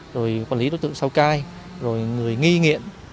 rồi quản lý đối tượng sau cai rồi người nghi nghiện